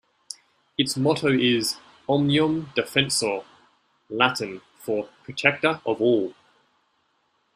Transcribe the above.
Its motto is "Omnium Defensor", Latin for "Protector of All".